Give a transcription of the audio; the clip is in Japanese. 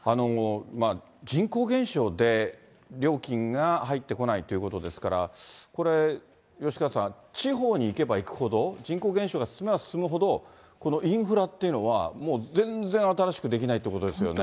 人口減少で料金が入ってこないということですから、これ、吉川さん、地方に行けば行くほど、人口減少が進めば進むほど、このインフラっていうのは、もう全然新しくできないっていうことですよね。